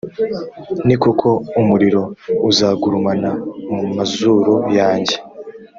ni koko, umuriro uzagurumana mu mazuru yanjye.